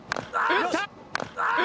打った！